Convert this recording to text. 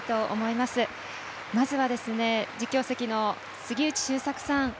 まずは、実況席の杉内周作さん。